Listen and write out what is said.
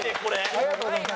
ありがとうございます。